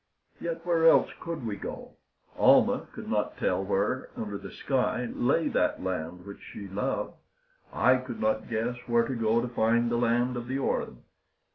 Yet where else could we go? Almah could not tell where under the sky lay that land which she loved; I could not guess where to go to find the land of the Orin.